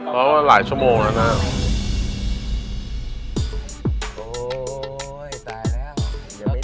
บ๊ายบายใส่กูด้วย